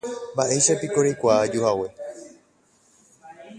Mba'éichapiko reikuaa ajuhague.